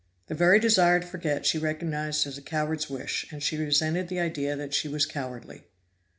The very desire to forget she recognized as a coward's wish, and she resented the idea that she was cowardly.